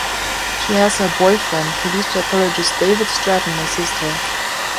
She has her boyfriend, police psychologist David Stratton assist her.